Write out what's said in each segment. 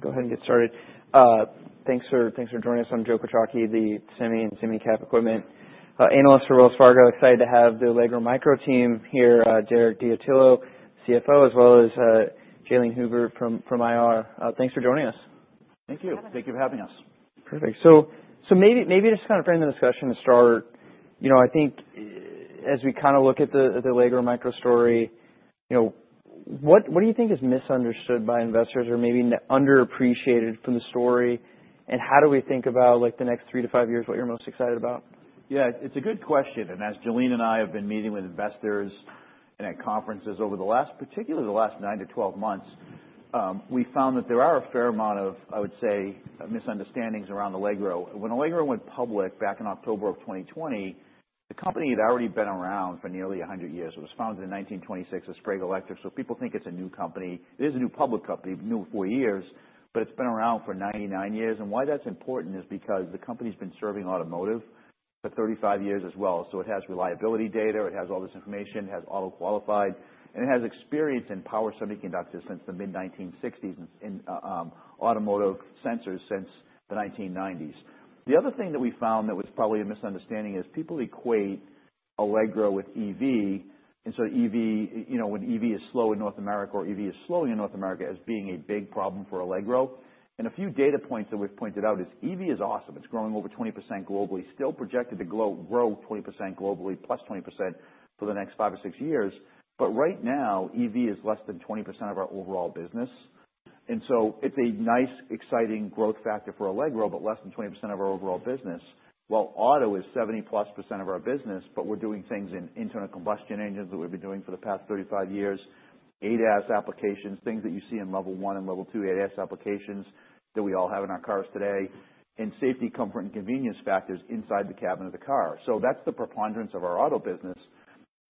Perfect. Go ahead and get started. Thanks for joining us. I'm Joe Quatrochi, the Semi and SemiCap Equipment Analyst for Wells Fargo. Excited to have the Allegro MicroSystems team here, Derek D'Antilio, CFO, as well as Jalene Hoover from IR. Thanks for joining us. Thank you. Have a. Thank you for having us. Perfect. So maybe just kinda frame the discussion to start. You know, I think, as we kinda look at the Allegro MicroSystems story, you know, what do you think is misunderstood by investors or maybe underappreciated from the story? And how do we think about, like, the next three to five years, what you're most excited about? Yeah. It's a good question. And as Jalene and I have been meeting with investors and at conferences over the last, particularly the last nine to 12 months, we found that there are a fair amount of, I would say, misunderstandings around Allegro. When Allegro went public back in October of 2020, the company had already been around for nearly 100 years. It was founded in 1926 as Sprague Electric. So people think it's a new company. It is a new public company, new four years, but it's been around for 99 years. And why that's important is because the company's been serving automotive for 35 years as well. So it has reliability data. It has all this information. It has auto-qualified. And it has experience in power semiconductors since the mid-1960s and automotive sensors since the 1990s. The other thing that we found that was probably a misunderstanding is people equate Allegro with EV. So EV, you know, when EV is slow in North America or EV is slowing in North America as being a big problem for Allegro. A few data points that we've pointed out is EV is awesome. It's growing over 20% globally, still projected to grow, grow 20% globally, +20% for the next five or six years. Right now, EV is less than 20% of our overall business. It's a nice, exciting growth factor for Allegro, but less than 20% of our overall business. While auto is 70+% of our business, but we're doing things in internal combustion engines that we've been doing for the past 35 years, ADAS applications, things that you see in level one and level two, ADAS applications that we all have in our cars today, and safety, comfort, and convenience factors inside the cabin of the car. So that's the preponderance of our auto business.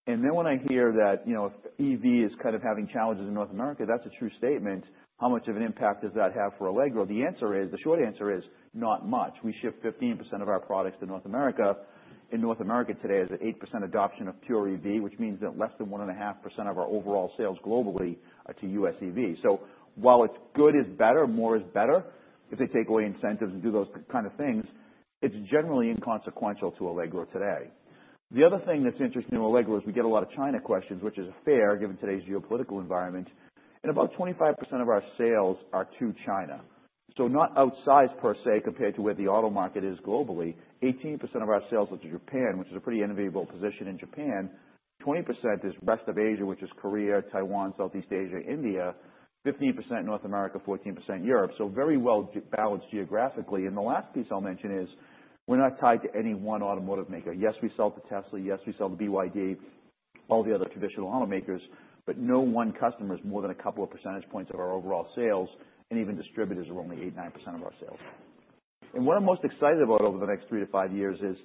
And then when I hear that, you know, if EV is kind of having challenges in North America, that's a true statement. How much of an impact does that have for Allegro? The answer is, the short answer is not much. We ship 15% of our products to North America. In North America today, there's an 8% adoption of pure EV, which means that less than 1.5% of our overall sales globally are to U.S. EV. So while it's good is better, more is better, if they take away incentives and do those kind of things, it's generally inconsequential to Allegro today. The other thing that's interesting to Allegro is we get a lot of China questions, which is fair given today's geopolitical environment. And about 25% of our sales are to China. So not outsized per se compared to where the auto market is globally. 18% of our sales go to Japan, which is a pretty enviable position in Japan. 20% is rest of Asia, which is Korea, Taiwan, Southeast Asia, India. 15% North America, 14% Europe. So very well balanced geographically. And the last piece I'll mention is we're not tied to any one automotive maker. Yes, we sell to Tesla. Yes, we sell to BYD, all the other traditional automakers, but no one customer is more than a couple of percentage points of our overall sales. And even distributors are only 8%-9% of our sales. And what I'm most excited about over the next three to five years is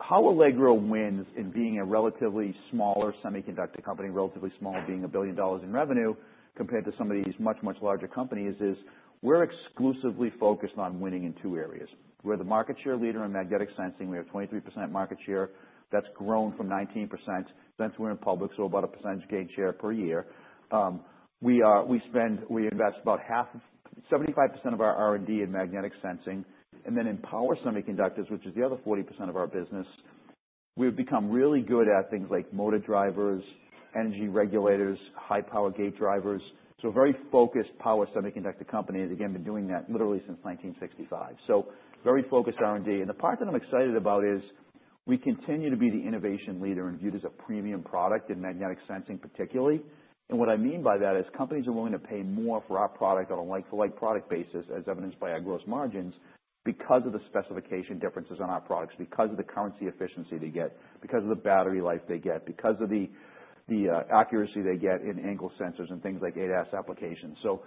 how Allegro wins in being a relatively smaller semiconductor company, relatively small, being $1 billion in revenue compared to some of these much, much larger companies is we're exclusively focused on winning in two areas. We're the market share leader in magnetic sensing. We have 23% market share. That's grown from 19% since we're in public, so about a percentage gain share per year. We are, we spend, we invest about half of 75% of our R&D in magnetic sensing. And then in power semiconductors, which is the other 40% of our business, we've become really good at things like motor drivers, energy regulators, high-power gate drivers. So very focused power semiconductor company. Again, been doing that literally since 1965. So very focused R&D. And the part that I'm excited about is we continue to be the innovation leader and viewed as a premium product in magnetic sensing particularly. And what I mean by that is companies are willing to pay more for our product on a like-for-like product basis, as evidenced by our gross margins, because of the specification differences on our products, because of the current efficiency they get, because of the battery life they get, because of the accuracy they get in angle sensors and things like ADAS applications. So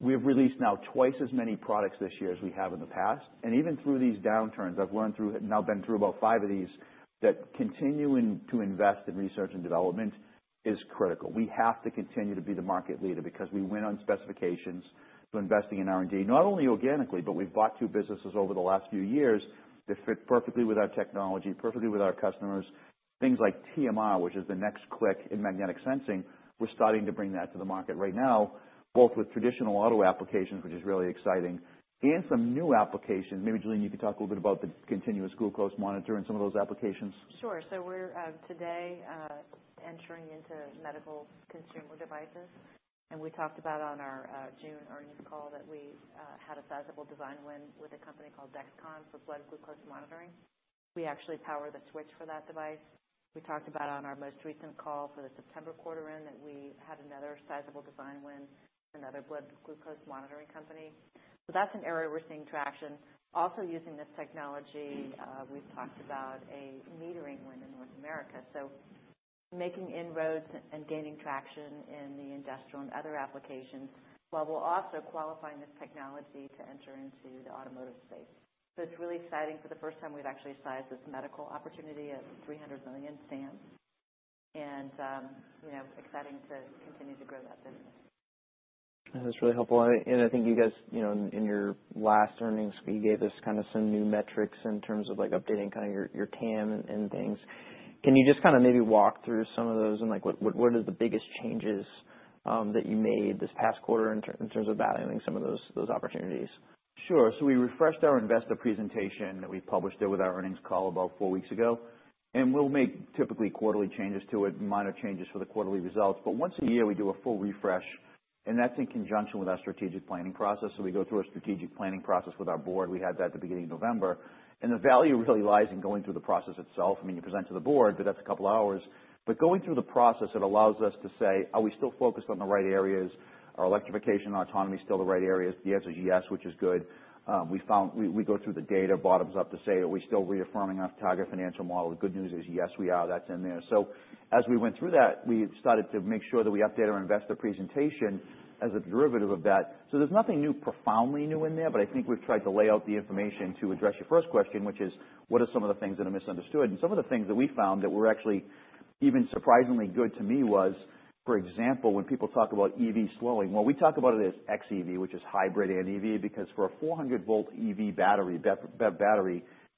we've released now twice as many products this year as we have in the past. Even through these downturns, I've learned through, now been through about five of these that continuing to invest in research and development is critical. We have to continue to be the market leader because we win on specifications for investing in R&D, not only organically, but we've bought two businesses over the last few years that fit perfectly with our technology, perfectly with our customers. Things like TMR, which is the next click in magnetic sensing, we're starting to bring that to the market right now, both with traditional auto applications, which is really exciting, and some new applications. Maybe, Jalene, you could talk a little bit about the continuous glucose monitor and some of those applications. Sure. So we're today entering into medical consumer devices. We talked about on our June earnings call that we had a sizable design win with a company called Dexcom for blood glucose monitoring. We actually power the switch for that device. We talked about on our most recent call for the September quarter end that we had another sizable design win, another blood glucose monitoring company. So that's an area we're seeing traction. Also using this technology, we've talked about a metering win in North America. So making inroads and gaining traction in the industrial and other applications while we're also qualifying this technology to enter into the automotive space. So it's really exciting. For the first time, we've actually sized this medical opportunity at 300 million SAM. You know, exciting to continue to grow that business. That's really helpful. And I think you guys, you know, in your last earnings that you gave us kinda some new metrics in terms of, like, updating kinda your TAM and things. Can you just kinda maybe walk through some of those and, like, what are the biggest changes that you made this past quarter in terms of valuing some of those opportunities? Sure. So we refreshed our investor presentation that we published there with our earnings call about four weeks ago. And we'll make typically quarterly changes to it, minor changes for the quarterly results. But once a year, we do a full refresh. And that's in conjunction with our strategic planning process. So we go through a strategic planning process with our board. We had that at the beginning of November. And the value really lies in going through the process itself. I mean, you present to the board, but that's a couple hours. But going through the process, it allows us to say, are we still focused on the right areas? Are electrification and autonomy still the right areas? The answer's yes, which is good. We go through the data, bottoms up, to say, are we still reaffirming our target financial model? The good news is yes, we are. That's in there. As we went through that, we started to make sure that we update our investor presentation as a derivative of that. There's nothing new, profoundly new in there, but I think we've tried to lay out the information to address your first question, which is what are some of the things that are misunderstood? Some of the things that we found that were actually even surprisingly good to me was, for example, when people talk about EV slowing. We talk about it as xEV, which is hybrid and EV, because for a 400-volt EV battery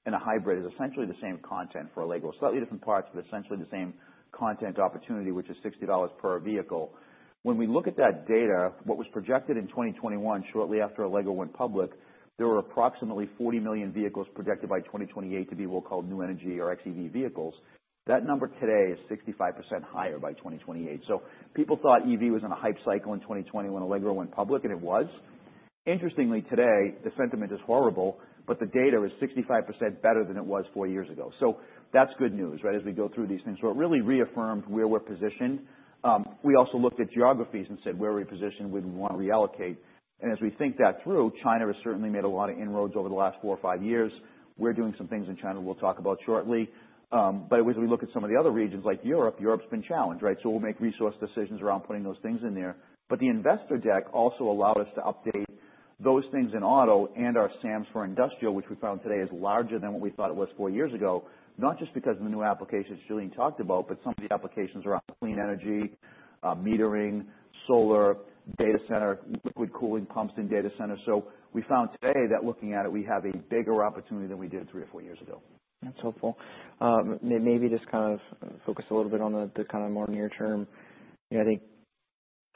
and a hybrid is essentially the same content for Allegro. Slightly different parts, but essentially the same content opportunity, which is $60 per vehicle. When we look at that data, what was projected in 2021, shortly after Allegro went public, there were approximately 40 million vehicles projected by 2028 to be what we'll call new energy or xEV vehicles. That number today is 65% higher by 2028. So people thought EV was in a hype cycle in 2020 when Allegro went public, and it was. Interestingly, today, the sentiment is horrible, but the data is 65% better than it was four years ago. So that's good news, right, as we go through these things. So it really reaffirmed where we're positioned. We also looked at geographies and said, where are we positioned? We'd wanna reallocate. And as we think that through, China has certainly made a lot of inroads over the last four or five years. We're doing some things in China we'll talk about shortly. But as we look at some of the other regions like Europe, Europe's been challenged, right? So we'll make resource decisions around putting those things in there. But the Investor Deck also allowed us to update those things in auto and our SAMs for industrial, which we found today is larger than what we thought it was four years ago, not just because of the new applications Jalene talked about, but some of the applications around clean energy, metering, solar, data center, liquid cooling pumps in data centers. So we found today that looking at it, we have a bigger opportunity than we did three or four years ago. That's helpful. Maybe just kind of focus a little bit on the kinda more near-term. You know, I think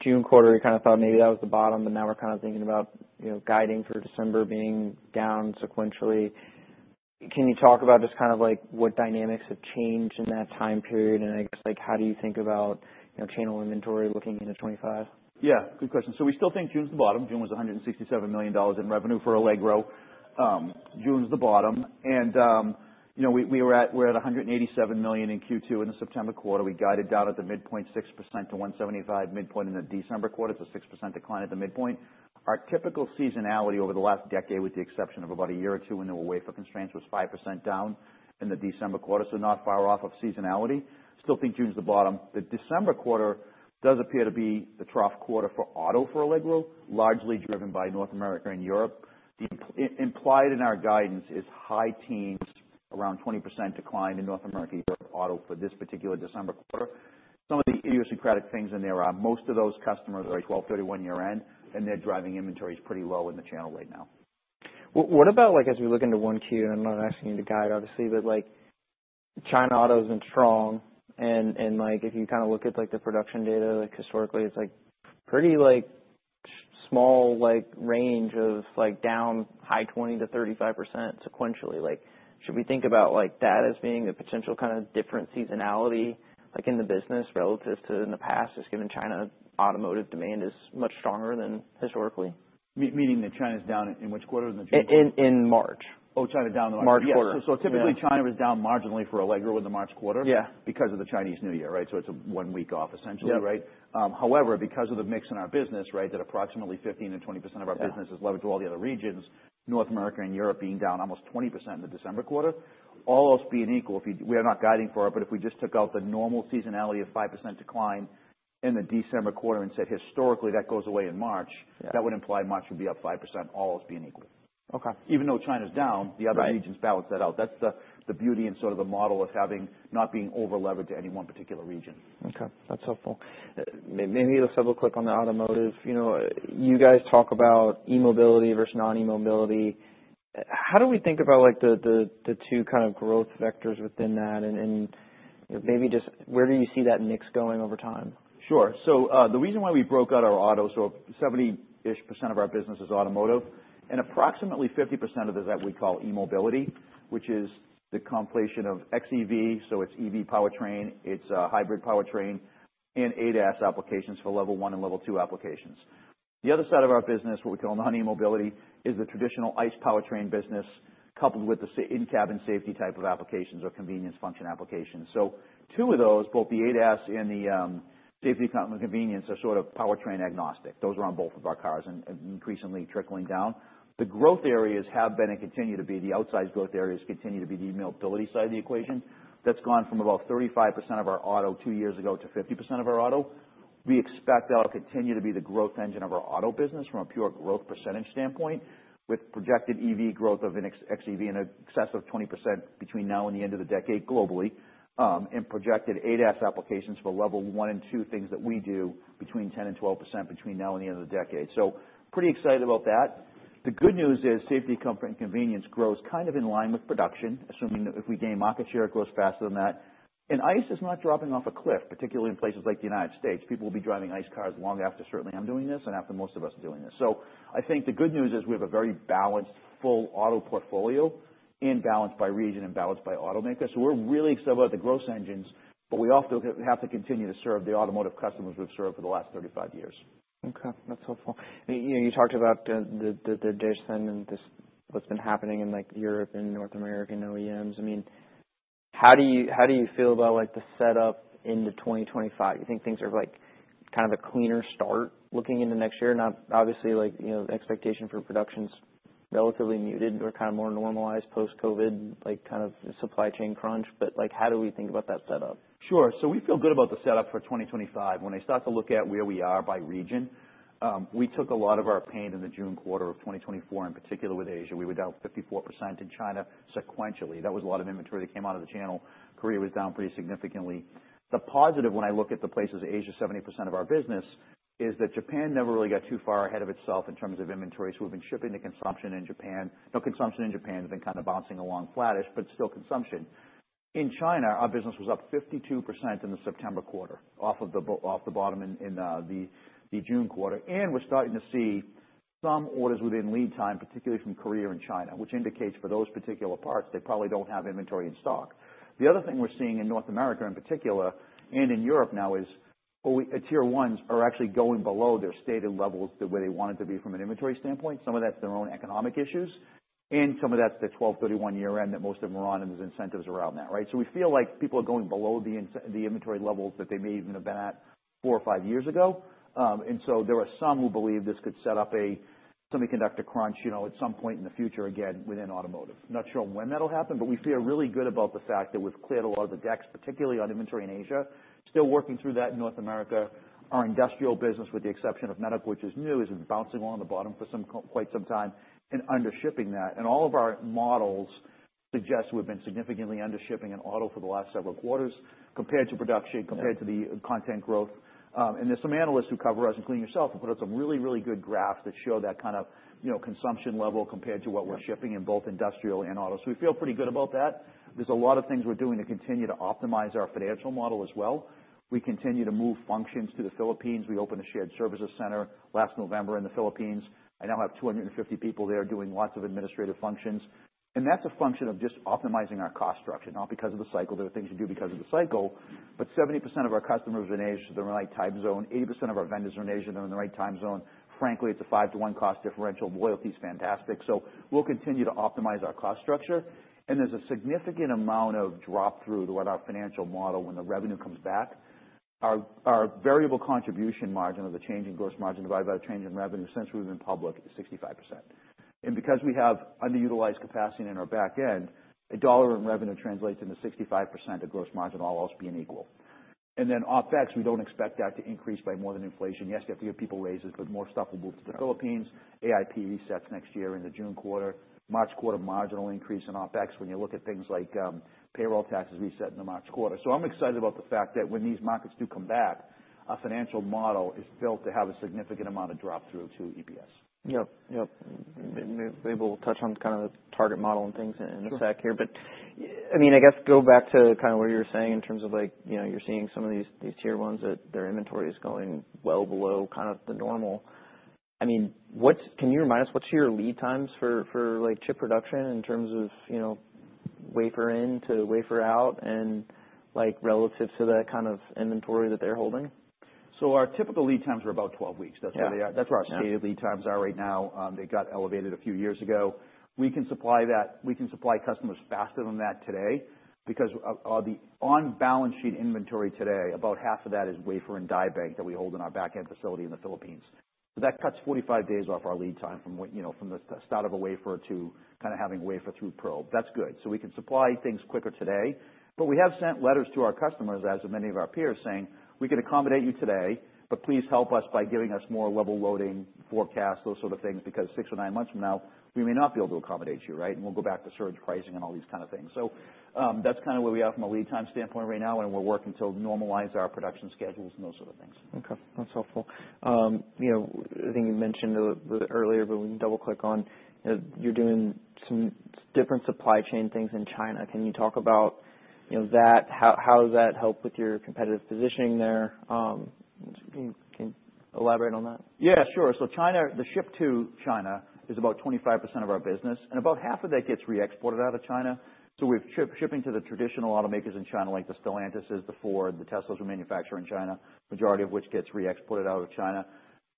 June quarter, you kinda thought maybe that was the bottom, but now we're kinda thinking about, you know, guiding for December being down sequentially. Can you talk about just kind of, like, what dynamics have changed in that time period? And I guess, like, how do you think about, you know, channel inventory looking into 2025? Yeah. Good question. So we still think June's the bottom. June was $167 million in revenue for Allegro. June's the bottom. And, you know, we were at 187 million in Q2 in the September quarter. We guided down at the midpoint, 6% to $175 million midpoint in the December quarter. It's a 6% decline at the midpoint. Our typical seasonality over the last decade, with the exception of about a year or two when there were wafer constraints, was 5% down in the December quarter, so not far off of seasonality. Still think June's the bottom. The December quarter does appear to be the trough quarter for auto for Allegro, largely driven by North America and Europe. The implied in our guidance is high teens, around 20% decline in North America/Europe auto for this particular December quarter. Some of the idiosyncratic things in there are, most of those customers are a 12-31 year end, and they're driving inventories pretty low in the channel right now. What about, like, as we look into one Q, and I'm not asking you to guide, obviously, but, like, China auto's been strong. And, like, if you kinda look at, like, the production data, like, historically, it's, like, pretty, like, small, like, range of, like, down high-20%-35% sequentially. Like, should we think about, like, that as being a potential kinda different seasonality, like, in the business relative to in the past, just given China automotive demand is much stronger than historically? Meaning that China's down in which quarter? In the June quarter? In March. Oh, China down in the March quarter. March quarter. Yeah. So typically, China was down marginally for Allegro in the March quarter. Yeah. Because of the Chinese New Year, right? So it's a one-week off, essentially, right? Yeah. However, because of the mix in our business, right, approximately 15%-20% of our business is leveraged to all the other regions. North America and Europe being down almost 20% in the December quarter, all else being equal, if you we are not guiding for it, but if we just took out the normal seasonality of 5% decline in the December quarter and said, historically, that goes away in March. Yeah. That would imply March would be up 5%, all else being equal. Okay. Even though China's down, the other regions balance that out. That's the beauty and sort of the model of having not being over-leveraged to any one particular region. Okay. That's helpful. Maybe let's double-click on the automotive. You know, you guys talk about e-mobility versus non-e-mobility. How do we think about, like, the two kind of growth vectors within that? And, you know, maybe just where do you see that mix going over time? Sure. So, the reason why we broke out our auto, so 70-ish% of our business is automotive, and approximately 50% of it is that we call e-mobility, which is the compilation of XEV, so it's EV powertrain, it's a hybrid powertrain, and ADAS applications for level one and level two applications. The other side of our business, what we call non-e-mobility, is the traditional ICE powertrain business coupled with the in-cabin safety type of applications or convenience function applications. So two of those, both the ADAS and the safety, comfort and convenience, are sort of powertrain agnostic. Those are on both of our cars and increasingly trickling down. The growth areas have been and continue to be. The outsized growth areas continue to be the e-mobility side of the equation. That's gone from about 35% of our auto two years ago to 50% of our auto. We expect that'll continue to be the growth engine of our auto business from a pure growth percentage standpoint, with projected EV growth of an xEV in excess of 20% between now and the end of the decade globally, and projected ADAS applications for level one and two things that we do between 10% and 12% between now and the end of the decade, so pretty excited about that. The good news is safety, comfort, and convenience grows kind of in line with production, assuming that if we gain market share, it grows faster than that, and ICE is not dropping off a cliff, particularly in places like the United States. People will be driving ICE cars long after certainly I'm doing this and after most of us are doing this. I think the good news is we have a very balanced, full auto portfolio and balanced by region and balanced by automaker. So we're really excited about the ICE engines, but we also have to continue to serve the automotive customers we've served for the last 35 years. Okay. That's helpful. You know, you talked about the data and what's been happening in, like, Europe and North America and OEMs. I mean, how do you feel about, like, the setup into 2025? You think things are, like, kind of a cleaner start looking into next year? And obviously, like, you know, the expectation for production's relatively muted or kinda more normalized post-COVID, like, kind of supply chain crunch. But, like, how do we think about that setup? Sure. So we feel good about the setup for 2025. When I start to look at where we are by region, we took a lot of our pain in the June quarter of 2024, in particular with Asia. We were down 54% in China sequentially. That was a lot of inventory that came out of the channel. Korea was down pretty significantly. The positive, when I look at the places, Asia's 70% of our business is that Japan never really got too far ahead of itself in terms of inventory. So we've been shipping to consumption in Japan. Now, consumption in Japan's been kinda bouncing along flattish, but still consumption. In China, our business was up 52% in the September quarter off of the bottom in the June quarter. And we're starting to see some orders within lead time, particularly from Korea and China, which indicates for those particular parts, they probably don't have inventory in stock. The other thing we're seeing in North America in particular and in Europe now is, oh, OEMs, Tier 1s are actually going below their stated levels the way they wanted to be from an inventory standpoint. Some of that's their own economic issues, and some of that's the 12-31 year end that most of OEMs' incentives are around now, right? So we feel like people are going below the inventory levels that they may even have been at four or five years ago. And so there are some who believe this could set up a semiconductor crunch, you know, at some point in the future again within automotive. Not sure when that'll happen, but we feel really good about the fact that we've cleared a lot of the decks, particularly on inventory in Asia. Still working through that in North America. Our industrial business, with the exception of medical, which is new, has been bouncing along the bottom for some quite some time and undershipping that. And all of our models suggest we've been significantly undershipping in auto for the last several quarters compared to production, compared to the content growth. And there's some analysts who cover us, including yourself, who put out some really, really good graphs that show that kind of, you know, consumption level compared to what we're shipping in both industrial and auto. So we feel pretty good about that. There's a lot of things we're doing to continue to optimize our financial model as well. We continue to move functions to the Philippines. We opened a shared services center last November in the Philippines. I now have 250 people there doing lots of administrative functions, and that's a function of just optimizing our cost structure, not because of the cycle. There are things you do because of the cycle, but 70% of our customers are in Asia. They're in the right time zone. 80% of our vendors are in Asia. They're in the right time zone. Frankly, it's a five-to-one cost differential. Loyalty's fantastic. So we'll continue to optimize our cost structure, and there's a significant amount of drop-through to our financial model when the revenue comes back. Our variable contribution margin of the change in gross margin divided by the change in revenue since we've been public is 65%. Because we have underutilized capacity in our back end, $1 in revenue translates into 65% of gross margin, all else being equal. Then OpEx, we don't expect that to increase by more than inflation. Yes, you have to give people raises, but more stuff will move to the Philippines. AIP resets next year in the June quarter. March quarter marginal increase in OpEx when you look at things like payroll taxes reset in the March quarter. I'm excited about the fact that when these markets do come back, our financial model is built to have a significant amount of drop-through to EPS. Yep. Maybe we'll touch on kinda the target model and things in a sec here. Sure. But, I mean, I guess go back to kinda what you were saying in terms of, like, you know, you're seeing some of these tier ones that their inventory is going well below kind of the normal. I mean, what can you remind us, what's your lead times for like chip production in terms of, you know, wafer in to wafer out and, like, relative to the kind of inventory that they're holding? So our typical lead times are about 12 weeks. That's where they are. Yeah. That's where our stated lead times are right now. They got elevated a few years ago. We can supply customers faster than that today because of the on-balance sheet inventory today, about half of that is wafer and die bank that we hold in our back-end facility in the Philippines. So that cuts 45 days off our lead time from what, you know, from the start of a wafer to kinda having a wafer through probe. That's good. So we can supply things quicker today. But we have sent letters to our customers, as have many of our peers, saying, "We can accommodate you today, but please help us by giving us more level loading forecast," those sort of things, because six or nine months from now, we may not be able to accommodate you, right? We'll go back to surge pricing and all these kinda things. That's kinda where we are from a lead time standpoint right now, and we're working to normalize our production schedules and those sort of things. Okay. That's helpful. You know, I think you mentioned a little bit earlier, but we can double-click on, you know, you're doing some different supply chain things in China. Can you talk about, you know, that? How does that help with your competitive positioning there? Can you elaborate on that? Yeah. Sure. So, China, the shipments to China are about 25% of our business, and about half of that gets re-exported out of China. So we have chip shipments to the traditional automakers in China, like the Stellantis, the Fords, the Teslas we manufacture in China, the majority of which gets re-exported out of China.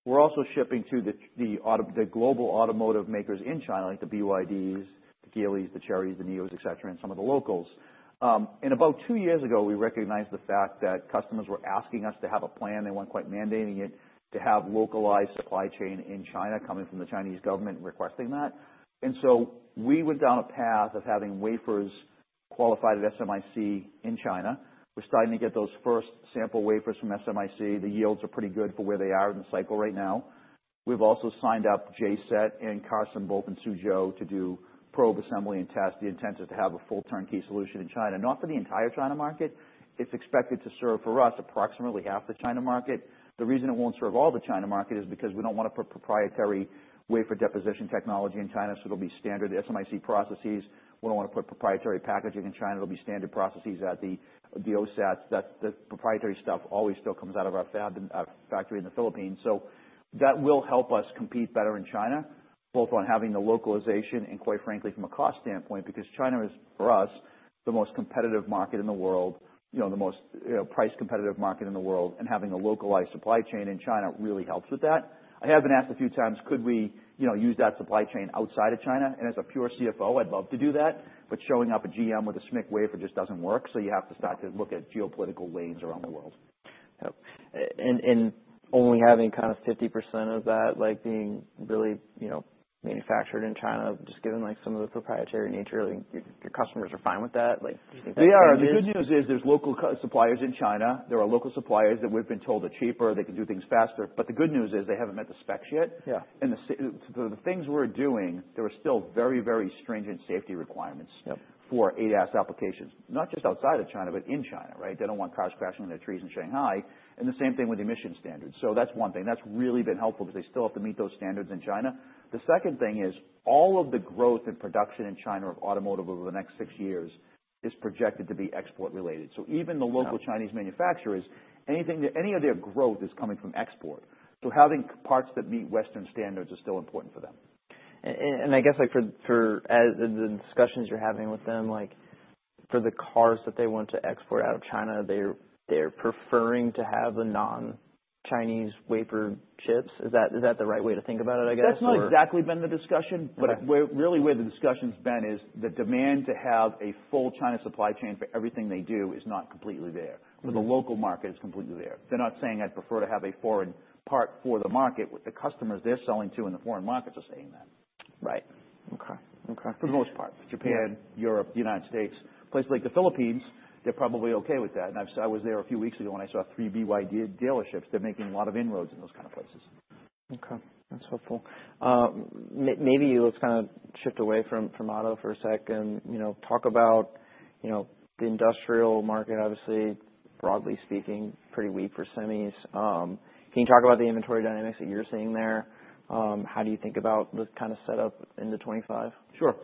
We're also shipping to the global automotive makers in China, like the BYDs, the Geelys, the Cherys, the NIOs, etc., and some of the locals. And about two years ago, we recognized the fact that customers were asking us to have a plan. They weren't quite mandating it, to have localized supply chain in China coming from the Chinese government and requesting that. And so we went down a path of having wafers qualified at SMIC in China. We're starting to get those first sample wafers from SMIC. The yields are pretty good for where they are in the cycle right now. We've also signed up JCET and Carsem and Suzhou to do probe assembly and test. The intent is to have a full turnkey solution in China, not for the entire China market. It's expected to serve for us approximately half the China market. The reason it won't serve all the China market is because we don't wanna put proprietary wafer deposition technology in China, so it'll be standard SMIC processes. We don't wanna put proprietary packaging in China. It'll be standard processes at the OSATs. That the proprietary stuff always still comes out of our fab in our factory in the Philippines. So that will help us compete better in China, both on having the localization and, quite frankly, from a cost standpoint, because China is, for us, the most competitive market in the world, you know, the most, you know, price-competitive market in the world. And having a localized supply chain in China really helps with that. I have been asked a few times, could we, you know, use that supply chain outside of China? And as a pure CFO, I'd love to do that, but showing up a GM with a SMIC wafer just doesn't work. So you have to start to look at geopolitical lanes around the world. Yep. And only having kind of 50% of that, like, being really, you know, manufactured in China, just given, like, some of the proprietary nature, I mean, your customers are fine with that? Like, do you think that's a good thing? They are. The good news is there's local Chinese suppliers in China. There are local suppliers that we've been told are cheaper, that can do things faster. But the good news is they haven't met the specs yet. Yeah. The things we're doing, there are still very, very stringent safety requirements. Yep. For ADAS applications, not just outside of China, but in China, right? They don't want cars crashing into their trees in Shanghai. The same thing with emission standards. So that's one thing. That's really been helpful because they still have to meet those standards in China. The second thing is all of the growth and production in China of automotive over the next six years is projected to be export-related. So even the local Chinese manufacturers, anything that any of their growth is coming from export. So having parts that meet Western standards is still important for them. I guess, like, for the discussions you're having with them, like, for the cars that they want to export out of China, they're preferring to have the non-Chinese wafer chips. Is that the right way to think about it, I guess? That's not exactly been the discussion, but where really the discussion's been is the demand to have a full China supply chain for everything they do is not completely there. Mm-hmm. But the local market is completely there. They're not saying, "I'd prefer to have a foreign part for the market." What the customers they're selling to in the foreign markets are saying that. Right. Okay. Okay. For the most part. Japan, Europe, the U.S. Places like the Philippines, they're probably okay with that. And I was there a few weeks ago when I saw three BYD dealerships. They're making a lot of inroads in those kinda places. Okay. That's helpful. Maybe let's kinda shift away from auto for a sec and, you know, talk about, you know, the industrial market, obviously, broadly speaking, pretty weak for semis. Can you talk about the inventory dynamics that you're seeing there? How do you think about the kinda setup in the '25? Sure.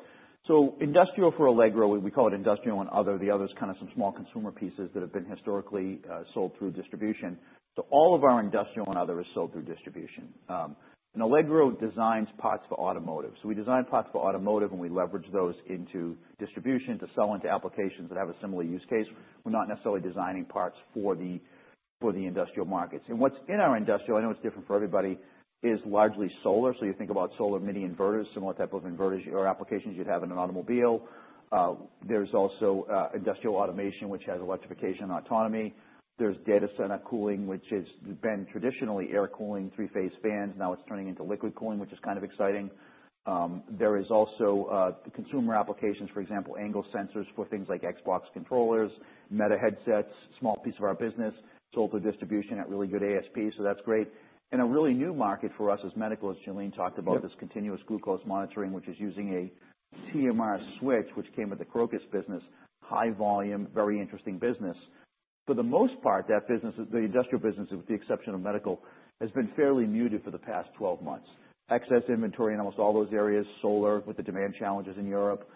So industrial for Allegro, we call it industrial and other. The other's kinda some small consumer pieces that have been historically sold through distribution. So all of our industrial and other is sold through distribution, and Allegro designs parts for automotive. So we design parts for automotive, and we leverage those into distribution to sell into applications that have a similar use case. We're not necessarily designing parts for the industrial markets. And what's in our industrial, I know it's different for everybody, is largely solar. So you think about solar mini inverters, similar type of inverters or applications you'd have in an automobile. There's also industrial automation, which has electrification autonomy. There's data center cooling, which has been traditionally air cooling, three-phase fans. Now it's turning into liquid cooling, which is kind of exciting. There is also consumer applications, for example, angle sensors for things like Xbox controllers, Meta headsets. Small piece of our business, sold through distribution at really good ASP. So that's great, and a really new market for us is medical, as Jalene talked about. Yep. This continuous glucose monitoring, which is using a TMR switch, which came with the Crocus business, high volume, very interesting business. For the most part, that business, the industrial business, with the exception of medical, has been fairly muted for the past 12 months. Excess inventory in almost all those areas, solar with the demand challenges in Europe.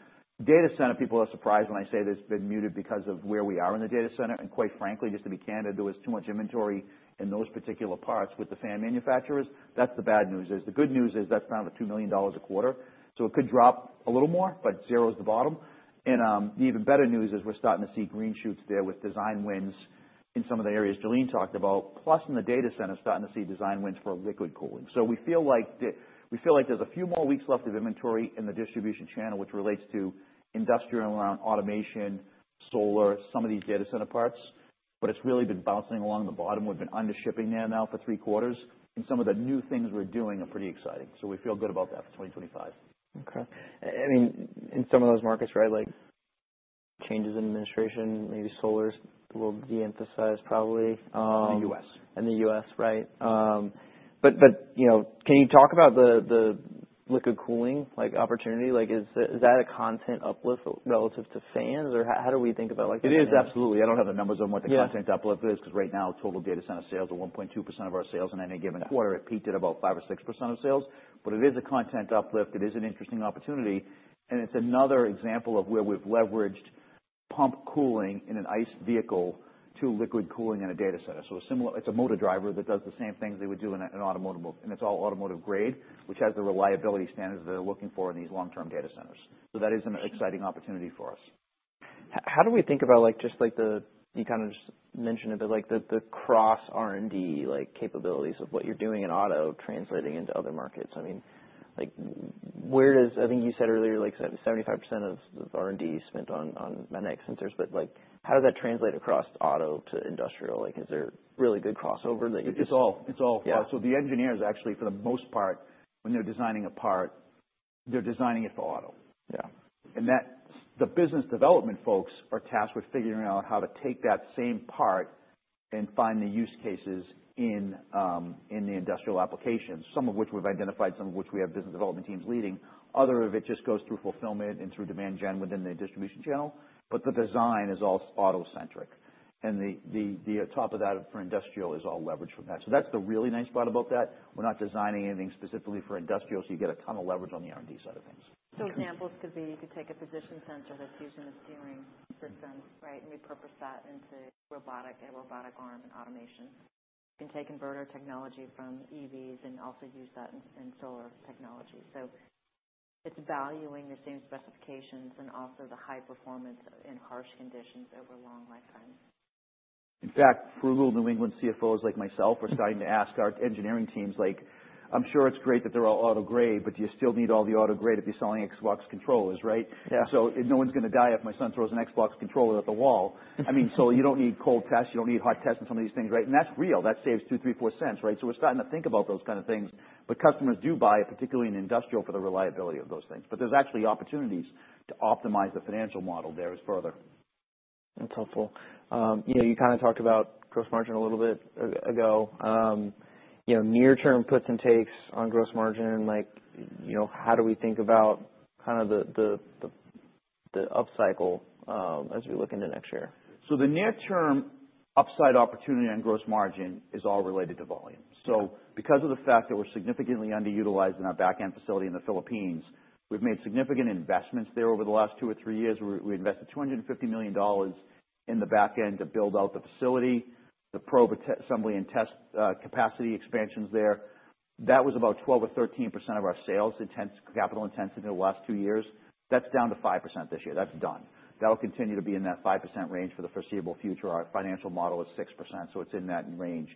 Data center, people are surprised when I say there's been muted because of where we are in the data center, and quite frankly, just to be candid, there was too much inventory in those particular parts with the fan manufacturers. That's the bad news. The good news is that's down to $2 million a quarter, so it could drop a little more, but zero's the bottom. The even better news is we're starting to see green shoots there with design wins in some of the areas Jalene talked about, plus in the data center, starting to see design wins for liquid cooling. So we feel like there's a few more weeks left of inventory in the distribution channel, which relates to industrial around automation, solar, some of these data center parts. But it's really been bouncing along the bottom. We've been undershipping there now for three quarters. And some of the new things we're doing are pretty exciting. So we feel good about that for 2025. Okay. And in some of those markets, right, like, changes in administration, maybe solar's a little de-emphasized probably. In the U.S. In the US, right? But you know, can you talk about the liquid cooling, like, opportunity? Like, is that a content uplift relative to fans? Or how do we think about, like, the market? It is absolutely. I don't have the numbers on what the content uplift is 'cause right now, total data center sales are 1.2% of our sales in any given quarter. It peaked at about 5% or 6% of sales. But it is a content uplift. It is an interesting opportunity. And it's another example of where we've leveraged pump cooling in an ICE vehicle to liquid cooling in a data center. So a similar it's a motor driver that does the same things they would do in an automotive motor. And it's all automotive grade, which has the reliability standards that they're looking for in these long-term data centers. So that is an exciting opportunity for us. How do we think about, like, just, like, do you kinda just mentioned it, but, like, the cross R&D, like, capabilities of what you're doing in auto translating into other markets? I mean, like, where does, I think you said earlier, like, 75% of R&D is spent on magnetic sensors, but, like, how does that translate across auto to industrial? Like, is there really good crossover that you can see? It's all. Yeah. Parts. So the engineers, actually, for the most part, when they're designing a part, they're designing it for auto. Yeah. And that's the business development folks are tasked with figuring out how to take that same part and find the use cases in the industrial applications, some of which we've identified, some of which we have business development teams leading. Other of it just goes through fulfillment and through demand gen within the distribution channel. But the design is all auto-centric. And the top of that for industrial is all leveraged from that. So that's the really nice part about that. We're not designing anything specifically for industrial, so you get a ton of leverage on the R&D side of things. So examples could be to take a position sensor that's using a steering system, right, and repurpose that into robotic, a robotic arm and automation. You can take inverter technology from EVs and also use that in solar technology. So it's valuing the same specifications and also the high performance in harsh conditions over long lifetimes. In fact, frugal New England CFOs like myself are starting to ask our engineering teams, like, "I'm sure it's great that they're all auto-grade, but do you still need all the auto-grade if you're selling Xbox controllers, right? Yeah. No one's gonna die if my son throws an Xbox Controller at the wall. I mean, you don't need cold tests. You don't need hot tests and some of these things, right? That's real. That saves two, three, four cents, right? We're starting to think about those kinda things. Customers do buy, particularly in industrial, for the reliability of those things. There's actually opportunities to optimize the financial model there as further. That's helpful. You know, you kinda talked about gross margin a little bit ago. You know, near-term puts and takes on gross margin, like, you know, how do we think about kinda the upcycle, as we look into next year? So the near-term upside opportunity on gross margin is all related to volume. So because of the fact that we're significantly underutilized in our backend facility in the Philippines, we've made significant investments there over the last two or three years. We invested $250 million in the backend to build out the facility, the probe assembly and test, capacity expansions there. That was about 12 or 13% of our sales-intensive capital intensity in the last two years. That's down to 5% this year. That's done. That'll continue to be in that 5% range for the foreseeable future. Our financial model is 6%, so it's in that range.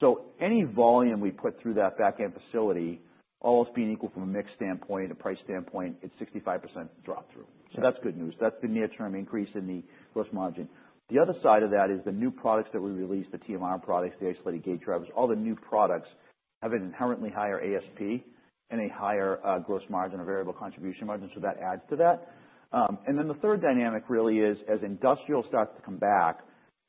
So any volume we put through that backend facility, all else being equal from a mix standpoint, a price standpoint, it's 65% drop-through. So that's good news. That's the near-term increase in the gross margin. The other side of that is the new products that we release, the TMR products, the isolated gate drivers, all the new products have an inherently higher ASP and a higher gross margin or variable contribution margin. So that adds to that, and then the third dynamic really is, as industrial starts to come back,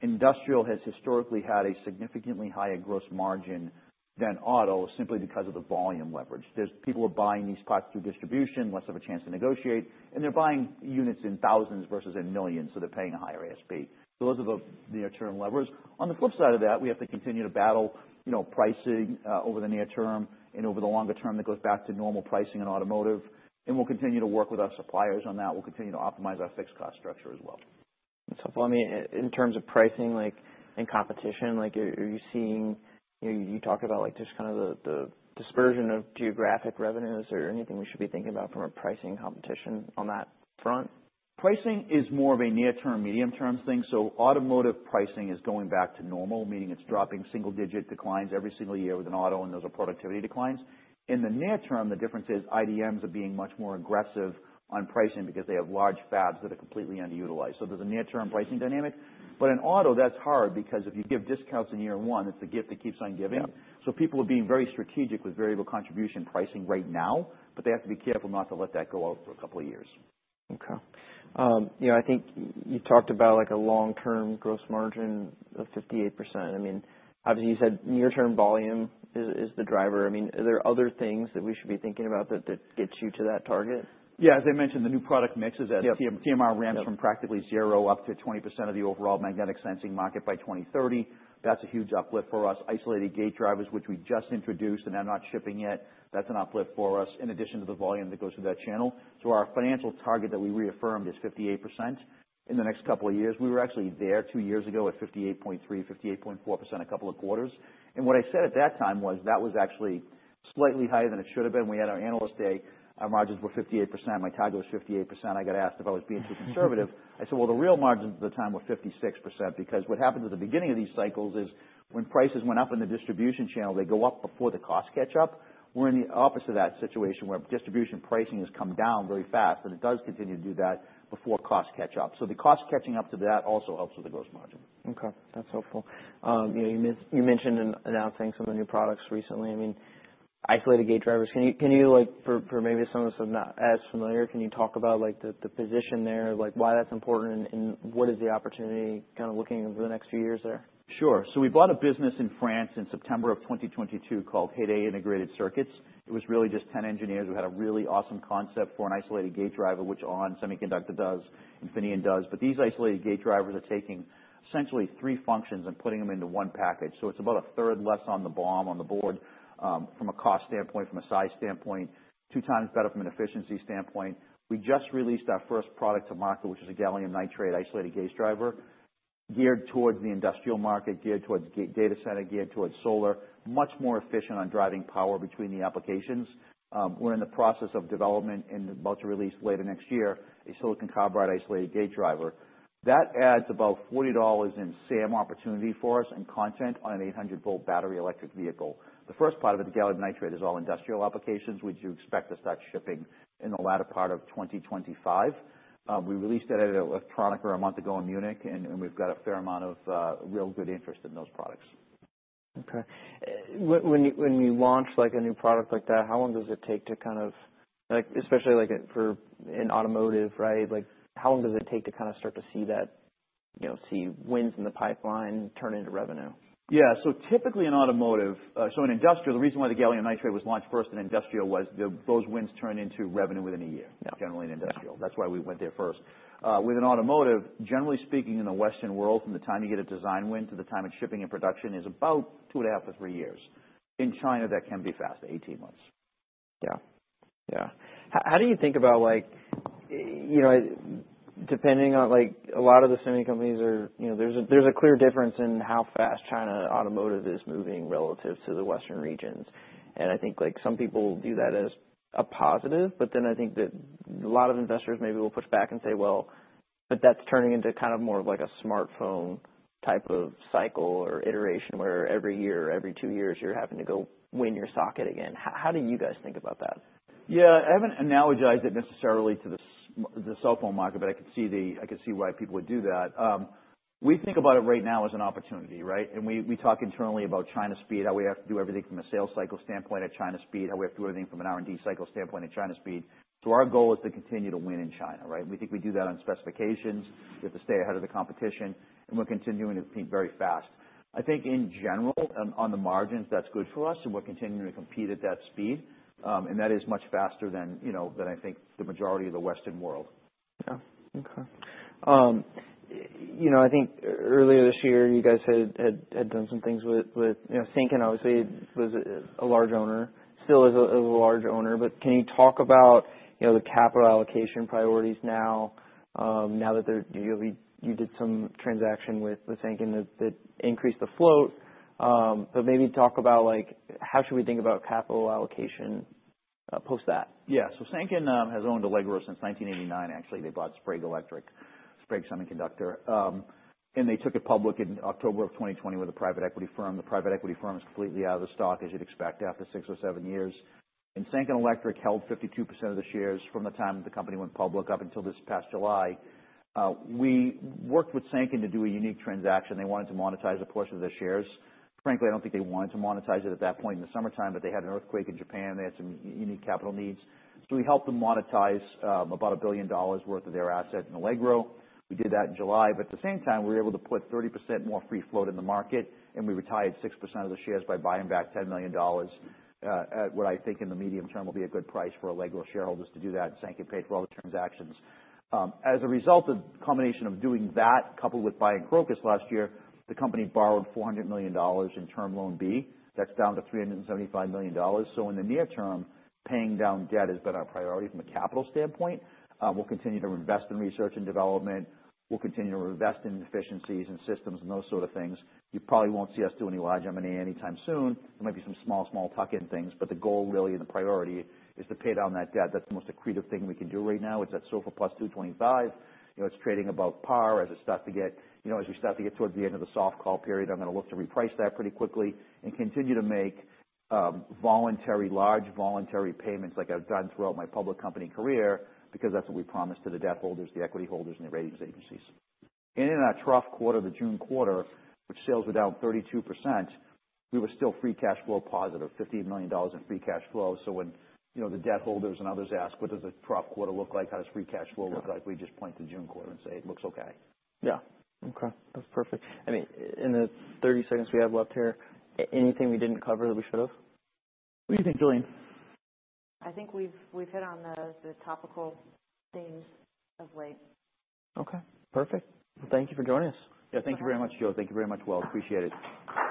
industrial has historically had a significantly higher gross margin than auto simply because of the volume leverage. There are people buying these parts through distribution, less of a chance to negotiate, and they're buying units in thousands versus in millions, so they're paying a higher ASP. So those are the near-term levers. On the flip side of that, we have to continue to battle, you know, pricing, over the near term and over the longer term that goes back to normal pricing in automotive, and we'll continue to work with our suppliers on that. We'll continue to optimize our fixed cost structure as well. That's helpful. I mean, in terms of pricing, like, and competition, like, are you seeing you know, you talked about, like, just kinda the dispersion of geographic revenues. Is there anything we should be thinking about from a pricing competition on that front? Pricing is more of a near-term, medium-term thing. So automotive pricing is going back to normal, meaning it's dropping single-digit declines every single year within auto, and those are productivity declines. In the near term, the difference is IDMs are being much more aggressive on pricing because they have large fabs that are completely underutilized. So there's a near-term pricing dynamic. But in auto, that's hard because if you give discounts in year one, it's the gift that keeps on giving. Yeah. So people are being very strategic with variable contribution pricing right now, but they have to be careful not to let that go out for a couple of years. Okay. You know, I think you talked about, like, a long-term gross margin of 58%. I mean, obviously, you said near-term volume is the driver. I mean, are there other things that we should be thinking about that gets you to that target? Yeah. As I mentioned, the new product mixes as. Yep. TMR ramps from practically zero up to 20% of the overall magnetic sensing market by 2030. That's a huge uplift for us. Isolated gate drivers, which we just introduced and are not shipping yet, that's an uplift for us in addition to the volume that goes through that channel. So our financial target that we reaffirmed is 58% in the next couple of years. We were actually there two years ago at 58.3%-58.4% a couple of quarters. And what I said at that time was that was actually slightly higher than it should have been. We had our analyst say, "Our margins were 58%. My target was 58%." I got asked if I was being too conservative. I said, "Well, the real margins at the time were 56% because what happened at the beginning of these cycles is when prices went up in the distribution channel, they go up before the cost catch-up." We're in the opposite of that situation where distribution pricing has come down very fast, but it does continue to do that before cost catch-up. So the cost catching up to that also helps with the gross margin. Okay. That's helpful. You know, you mentioned announcing some of the new products recently. I mean, isolated gate drivers. Can you, like, for maybe some of us who are not as familiar, can you talk about, like, the position there, like, why that's important and what is the opportunity kinda looking over the next few years there? Sure. So we bought a business in France in September of 2022 called Heyday Integrated Circuits. It was really just 10 engineers who had a really awesome concept for an isolated gate driver, which ON Semiconductor does, Infineon does. But these isolated gate drivers are taking essentially three functions and putting them into one package. So it's about a third less on the BOM, on the board, from a cost standpoint, from a size standpoint, two times better from an efficiency standpoint. We just released our first product to market, which is a gallium nitride isolated gate driver geared towards the industrial market, geared towards data center, geared towards solar, much more efficient on driving power between the applications. We're in the process of development and about to release later next year a silicon carbide isolated gate driver. That adds about $40 in SAM opportunity for us and content on an 800-volt battery electric vehicle. The first part of it, the gallium nitride, is all industrial applications, which you expect to start shipping in the latter part of 2025. We released that at Electronica a month ago in Munich, and we've got a fair amount of real good interest in those products. Okay. When you launch, like, a new product like that, how long does it take to kind of, like, especially, like, for in automotive, right? Like, how long does it take to kinda start to see that, you know, see wins in the pipeline turn into revenue? Yeah. Typically in automotive, so in industrial, the reason why the gallium nitride was launched first in industrial was those wins turn into revenue within a year. Yeah. Generally in industrial. That's why we went there first. Within automotive, generally speaking, in the Western world, from the time you get a design win to the time it's shipping and production is about two and a half to three years. In China, that can be faster, 18 months. Yeah. Yeah. How do you think about, like, you know, depending on, like, a lot of the semi companies are, you know, there's a clear difference in how fast China automotive is moving relative to the Western regions. And I think, like, some people view that as a positive, but then I think that a lot of investors maybe will push back and say, "Well. But that's turning into kind of more of, like, a smartphone type of cycle or iteration where every year or every two years you're having to go win your socket again." How do you guys think about that? Yeah. I haven't analogized it necessarily to the cell phone market, but I could see why people would do that. We think about it right now as an opportunity, right? And we talk internally about China speed, how we have to do everything from a sales cycle standpoint at China speed, how we have to do everything from an R&D cycle standpoint at China speed. So our goal is to continue to win in China, right? We think we do that on specifications. We have to stay ahead of the competition, and we're continuing to compete very fast. I think in general, on the margins, that's good for us, and we're continuing to compete at that speed, and that is much faster than, you know, than I think the majority of the Western world. Yeah. Okay. You know, I think earlier this year, you guys had done some things with you know, Sanken, obviously, was a large owner, still is a large owner. But can you talk about you know, the capital allocation priorities now that you did some transaction with Sanken that increased the float? But maybe talk about, like, how should we think about capital allocation, post that? Yeah. So Sanken has owned Allegro since 1989, actually. They bought Sprague Electric, Sprague Semiconductor, and they took it public in October of 2020 with a private equity firm. The private equity firm is completely out of the stock, as you'd expect, after six or seven years, and Sanken Electric held 52% of the shares from the time the company went public up until this past July. We worked with Sanken to do a unique transaction. They wanted to monetize a portion of their shares. Frankly, I don't think they wanted to monetize it at that point in the summertime, but they had an earthquake in Japan. They had some unique capital needs. So we helped them monetize about $1 billion worth of their asset in Allegro. We did that in July. But at the same time, we were able to put 30% more free float in the market, and we retired 6% of the shares by buying back $10 million, at what I think in the medium term will be a good price for Allegro shareholders to do that, and Sanken paid for all the transactions. As a result of the combination of doing that coupled with buying Crocus last year, the company borrowed $400 million in Term Loan B. That's down to $375 million. So in the near term, paying down debt has been our priority from a capital standpoint. We'll continue to invest in research and development. We'll continue to invest in efficiencies and systems and those sort of things. You probably won't see us do any large M&A anytime soon. There might be some small, small tuck-in things, but the goal really and the priority is to pay down that debt. That's the most accretive thing we can do right now. It's at SOFR plus 225. You know, it's trading above par as it starts to get you know, as we start to get towards the end of the soft call period. I'm gonna look to reprice that pretty quickly and continue to make voluntary large voluntary payments like I've done throughout my public company career because that's what we promised to the debt holders, the equity holders, and the ratings agencies. And in our trough quarter, the June quarter, which sales were down 32%, we were still free cash flow positive, $58 million in free cash flow. So when, you know, the debt holders and others ask, "What does a trough quarter look like? How does free cash flow look like? Yeah. We just point to June quarter and say, "It looks okay. Yeah. Okay. That's perfect. I mean, in the 30 seconds we have left here, anything we didn't cover that we should have? What do you think, Julian? I think we've hit on the topical themes of late. Okay. Perfect. Well, thank you for joining us. Yeah. Thank you very much, Joe. Thank you very much, Will. Appreciate it. Thank you.